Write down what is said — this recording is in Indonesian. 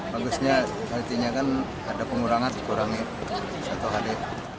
bagusnya artinya kan ada pengurangan dikurangi satu hari